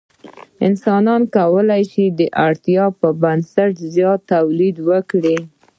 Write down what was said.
انسان وکولی شوای د اړتیا په نسبت زیات تولید وکړي.